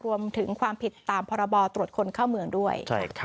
รวมถึงความผิดตามพรบตรวจคนเข้าเมืองด้วย